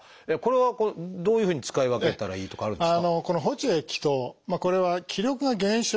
これはどういうふうに使い分けたらいいとかあるんですか？